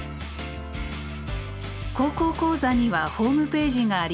高校講座にはホームページがあります。